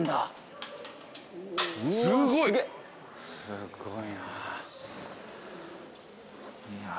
すごいな。